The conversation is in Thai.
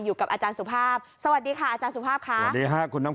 อยู่กับอาจารย์สุภาพสวัสดีค่ะ